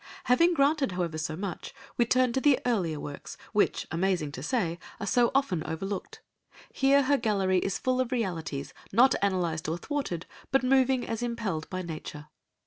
Having granted, however, so much, we turn to the earlier works, which, amazing to say, are so often overlooked; here her gallery is full of realities, not analysed or thwarted, but moving as impelled by nature.